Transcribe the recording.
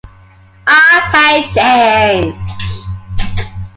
I hate change.